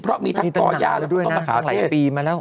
เพราะมีทั้งเรือนี่ถ่ายปีมาแล้ว